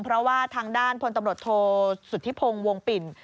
เพราะว่าทางด้านพลตำรวจโทสุธิพงศ์วงปิ่น